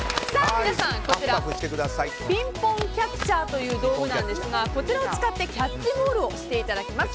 皆さん、こちらピンポンキャッチャーという道具なんですがこちらを使ってキャッチボールをしていただきます。